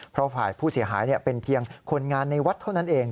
เพราะฝ่ายผู้เสียหายเป็นเพียงคนงานในวัดเท่านั้นเอง